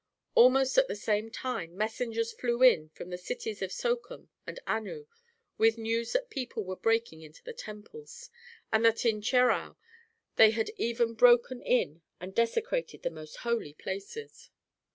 Almost at the same time messengers flew in from the cities of Sochem and Anu with news that people were breaking into the temples, and that in Cherau they had even broken in and desecrated the most holy places.